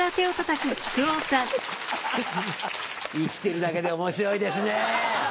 生きてるだけで面白いですねぇ。